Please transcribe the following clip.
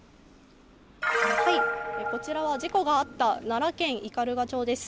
こちらは事故があった、奈良県斑鳩町です。